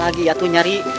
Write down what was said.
lagi atu nyari